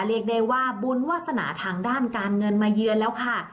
เรียกได้ว่าบุญวาสนาทางด้านการเงินมาเยือนแล้วค่ะ